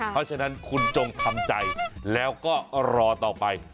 เพราะฉะนั้นคุณจงทำใจแล้วก็รอต่อไป